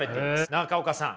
中岡さん。